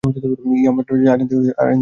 ইমামসাহেব আজান দিয়ে নামাজ পড়তে গেলেন।